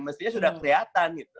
mestinya sudah kelihatan gitu